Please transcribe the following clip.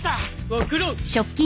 ご苦労！